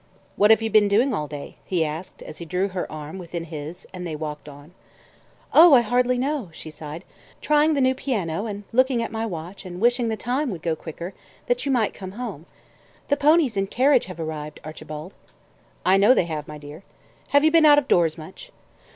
"What have you been doing all day?" he asked, as he drew her arm within his, and they walked on. "Oh, I hardly know," she sighed. "Trying the new piano, and looking at my watch, wishing the time would go quicker, that you might come home. The ponies and carriage have arrived, Archibald." "I know they have, my dear. Have you been out of doors much?"